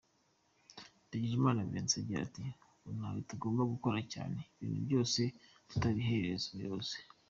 Ndagijimana Vincent agira ati “Ubu natwe tugomba gukora cyane, ibintu byose tutabiherereza ku bayobozi.